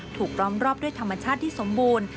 ล้อมรอบด้วยธรรมชาติที่สมบูรณ์